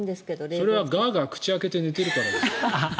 それはガーガー口を開けて寝てるから。